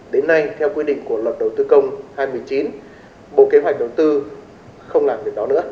đã quy định đầu tư đối với các dự án